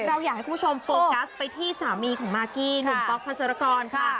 เราอยากให้คุณผู้ชมโชว์โกรธไปที่สามีของมากกี้หนูเป็นบ๊อคภัศจรกร